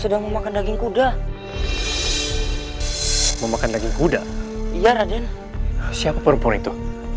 sedang memakan daging kuda memakan daging kuda iya raden siapa perempuan itu